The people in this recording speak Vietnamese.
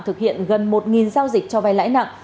thực hiện gần một giao dịch cho vai lãi nặng